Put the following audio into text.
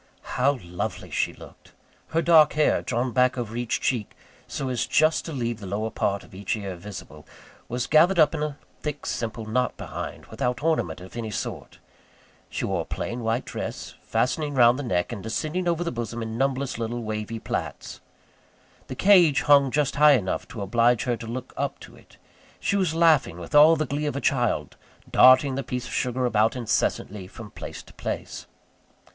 How lovely she looked! Her dark hair, drawn back over each cheek so as just to leave the lower part of the ear visible, was gathered up into a thick simple knot behind, without ornament of any sort. She wore a plain white dress fastening round the neck, and descending over the bosom in numberless little wavy plaits. The cage hung just high enough to oblige her to look up to it. She was laughing with all the glee of a child; darting the piece of sugar about incessantly from place to place.